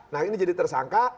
nah ini jadi tersangka